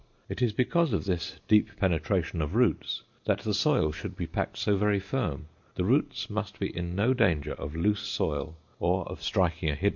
It is because of this deep penetration of roots that the soil should be packed so very firm; the roots must be in no danger of loose soil or of striking a hidden hollow.